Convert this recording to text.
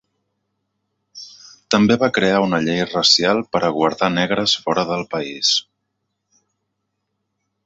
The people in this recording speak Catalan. També va crear una llei racial per a guardar negres fora del país.